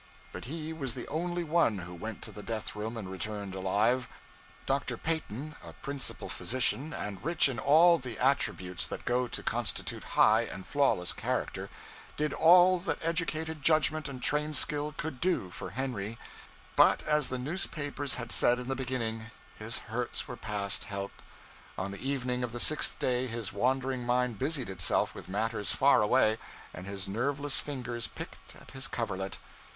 But he was the only one who went to the death room and returned alive. Dr. Peyton, a principal physician, and rich in all the attributes that go to constitute high and flawless character, did all that educated judgment and trained skill could do for Henry; but, as the newspapers had said in the beginning, his hurts were past help. On the evening of the sixth day his wandering mind busied itself with matters far away, and his nerveless fingers 'picked at his coverlet.'